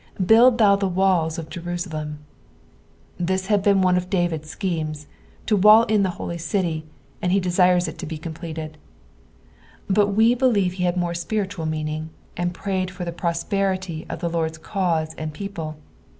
"Build tAou the waOt of Jtruitdem. " This had been one of David 'b schemes, to wall in the holy cil j, and he desires to see it completed ; but we believe he had a more spiritual meaning, and prayed for the prosperity of the Lord's cause and people.